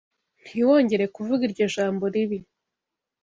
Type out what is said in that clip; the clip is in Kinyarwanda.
Ntiwongere kuvuga iryo jambo ribi